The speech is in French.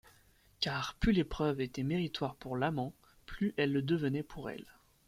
Car plus l'épreuve était méritoire pour l'amant, plus elle le devenait pour elle.